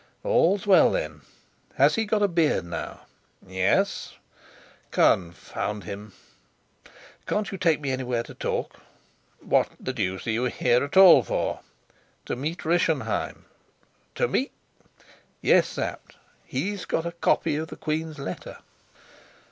"All's well, then. Has he got a beard now?" "Yes." "Confound him! Can't you take me anywhere to talk?" "What the deuce are you here at all for?" "To meet Rischenheim." "To meet ?" "Yes. Sapt, he's got a copy of the queen's letter."